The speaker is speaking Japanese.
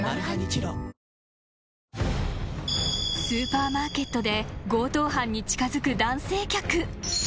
［スーパーマーケットで強盗犯に近づく男性客］